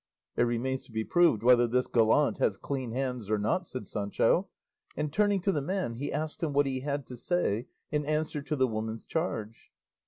"It remains to be proved whether this gallant has clean hands or not," said Sancho; and turning to the man he asked him what he had to say in answer to the woman's charge.